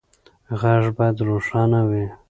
غږ باید روښانه وي.